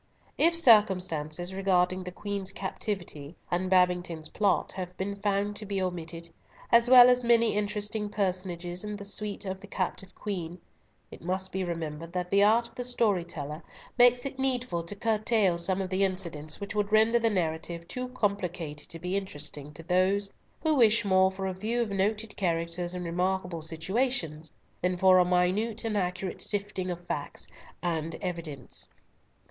If circumstances regarding the Queen's captivity and Babington's plot have been found to be omitted, as well as many interesting personages in the suite of the captive Queen, it must be remembered that the art of the story teller makes it needful to curtail some of the incidents which would render the narrative too complicated to be interesting to those who wish more for a view of noted characters in remarkable situations, than for a minute and accurate sifting of facts and evidence.